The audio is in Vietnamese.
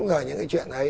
rồi những cái chuyện ấy